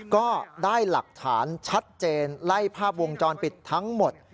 ก็ได้หลักฐานชัดเจนไล่ภาพวงจรปิดทั้งหมด